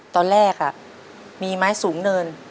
ตอนแรกมีไม้สูงเนิน